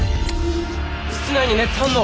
室内に熱反応。